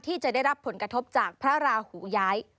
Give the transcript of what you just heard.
ที่จะได้รับผลกระทบจากพระราหูย้าย